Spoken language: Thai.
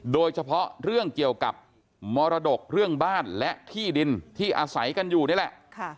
โดยเฉพาะเรื่องเกี่ยวกับมรดกเรื่องบ้านและที่ดินที่อาศัยกันอยู่นี่แหละ